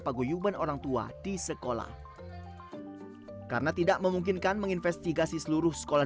pagoyuban orangtua di sekolah karena tidak memungkinkan menginvestigasi seluruh sekolah